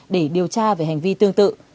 để điều tra về hành vi tương tự